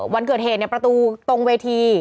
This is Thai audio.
วันเกิดเหตุประตูตรงเวที